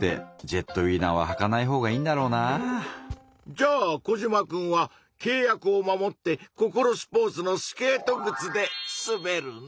じゃあコジマくんはけい約を守ってココロスポーツのスケートぐつですべるの？